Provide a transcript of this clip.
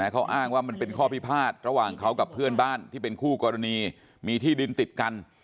เขาอ้างว่ามันเป็นข้อพิพาทระหว่างเขากับเพื่อนบ้านที่เป็นคู่กรณีมีที่ดินติดกัน